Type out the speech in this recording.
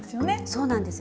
そうなんです。